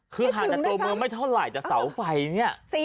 คือห่างจากตัวเมืองไม่เท่าไหร่แต่เสาไฟเนี่ย